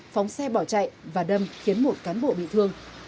phóng xe bỏ chạy và đâm khiến một cán bộ bị thương